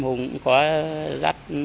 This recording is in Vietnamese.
hùng có dắt